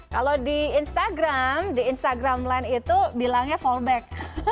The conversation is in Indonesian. kalau di instagram di instagram land itu bilangnya fallback